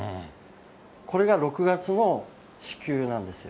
これが６月の支給なんですよ。